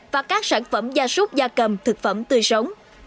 và các sản phẩm da súc da cầm thực phẩm tươi sống